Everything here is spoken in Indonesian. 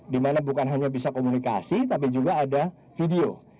dimana bukan hanya bisa komunikasi tapi juga ada video